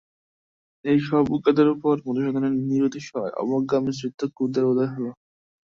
এই-সব বোকাদের উপর মধুসূদনের নিরতিশয় অবজ্ঞা-মিশ্রিত ক্রোধের উদয় হল।